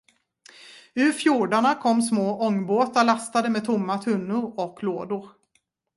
Ur fjordarna kom små ångbåtar lastade med tomma tunnor och lådor.